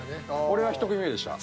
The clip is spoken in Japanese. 俺は１組目でした。